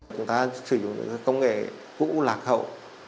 chúng ta sử dụng những công nghệ cũ lạc hậu